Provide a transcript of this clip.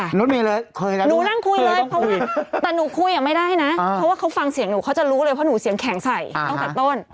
รถเมย์เลยหนูนั่งคุยเลยเพราะว่าแต่หนูคุยอ่ะไม่ได้นะเพราะว่าเขาฟังเสียงหนูเขาจะรู้เลยเพราะหนูเสียงแข็งใส่ตั้งแต่ต้น